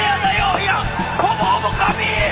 いやほぼほぼ神！！